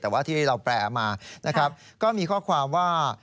คนที่เราแปลมาก็มีข้อความว่า